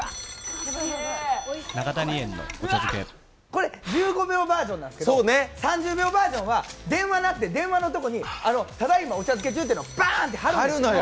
これ１５秒バージョンなんですけど、３０秒バージョンは電話鳴って、電話のところに「ただいまお茶漬け中」っていうのをバーンって貼るんです。